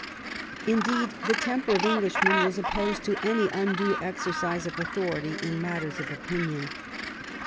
Indeed the temper of Englishmen was opposed to any undue exercise of authority in matters of opinion.